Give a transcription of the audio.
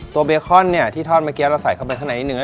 ตัวเบคอนที่ทอดเมื่อกี้เราใส่เข้าไปข้างในนิดนึง